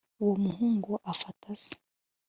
Uwo muhungu afata se